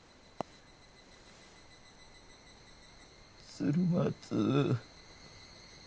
鶴松。